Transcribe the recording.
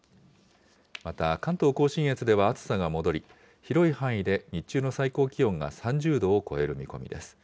また、関東甲信越では暑さが戻り、広い範囲で日中の最高気温が３０度を超える見込みです。